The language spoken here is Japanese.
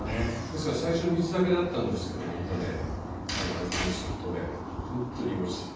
ですから最初水だけだったんですけども今ね味見をするとねほんとにおいしい。